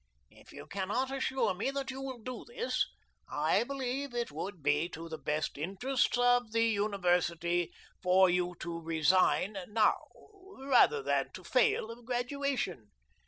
If you cannot assure me that you will do this, I believe it would be to the best interests of the university for you to resign now, rather than to fail of graduation.